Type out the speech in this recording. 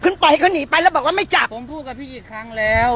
คุณปล่อยเขาหนีไปแล้วบอกว่าไม่จับผมพูดกับพี่กี่ครั้งแล้ว